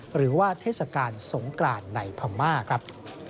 หรือว่าเทศกาลสงกรานในพม่าครับ